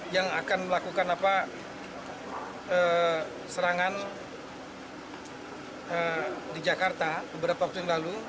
yang akan melakukan serangan di jakarta beberapa waktu yang lalu